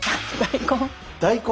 大根。